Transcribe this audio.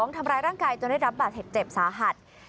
ทำร้ายร่างกายจนได้รับบาดเจ็บสาหัส